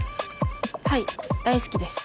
はい大好きです。